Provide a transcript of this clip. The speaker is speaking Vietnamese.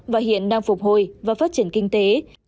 và hiện đang phục hồi và phát triển kinh tế